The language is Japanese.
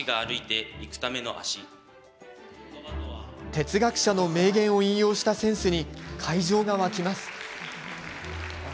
哲学者の名言を引用したセンスに会場が沸きます。